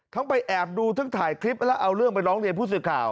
ไปแอบดูทั้งถ่ายคลิปแล้วเอาเรื่องไปร้องเรียนผู้สื่อข่าว